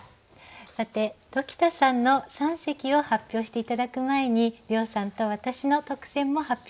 さて鴇田さんの三席を発表して頂く前に涼さんと私の特選も発表したいと思います。